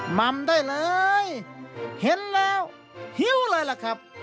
มัมได้เลยเห็นแล้วหิวเลยล่ะครับ